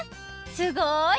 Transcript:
すごい！